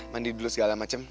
mandi dulu segala macem